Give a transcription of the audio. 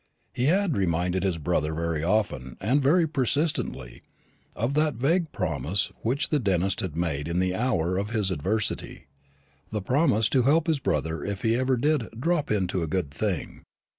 He had reminded his brother very often, and very persistently, of that vague promise which the dentist had made in the hour of his adversity the promise to help his brother if ever he did "drop into a good thing."